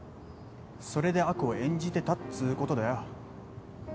それで悪を演じてたっつうことだよ。